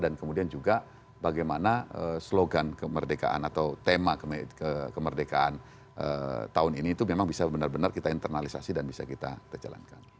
dan kemudian juga bagaimana slogan kemerdekaan atau tema kemerdekaan tahun ini itu memang bisa benar benar kita internalisasi dan bisa kita jalankan